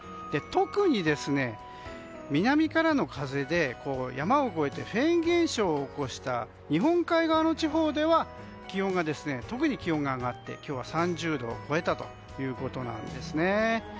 特に南からの風で山を越えてフェーン現象を起こした日本海側の地方では特に気温が上がって今日は３０度を超えたんですね。